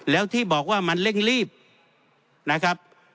แล้วที่บอกว่ามันเร่งรีบ